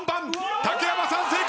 竹山さん正解。